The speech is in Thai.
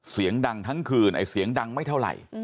เสียงดังทั้งคืนไอ้เสียงดังไม่เท่าไหร่